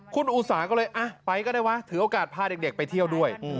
คุณอุสาก็เลยไปก็ได้วะถือโอกาสพาเด็กไปเที่ยวด้วย